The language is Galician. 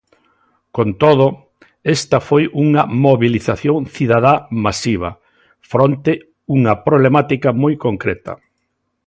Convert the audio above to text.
Con todo, esta foi unha mobilización cidadá masiva fronte unha problemática moi concreta.